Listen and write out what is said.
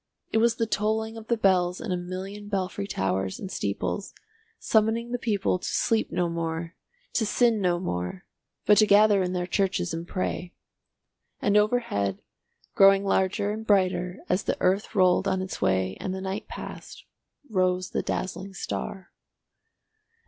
It was the tolling of the bells in a million belfry towers and steeples, summoning the people to sleep no more, to sin no more, but to gather in their churches and pray. And overhead, growing larger and brighter as the earth rolled on its way and the night passed, rose the dazzling star.